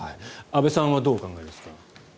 阿部さんはどうお考えですか？